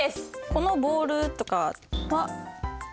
このボールとかは何？